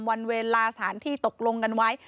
วันเวลาสถานที่ตกลงกันไว้